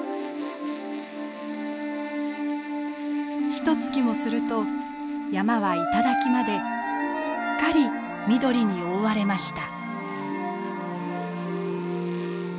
ひとつきもすると山は頂まですっかり緑に覆われました。